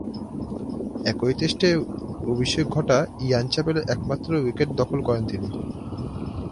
একই টেস্টে অভিষেক ঘটা ইয়ান চ্যাপেলের একমাত্র উইকেট দখল করেন তিনি।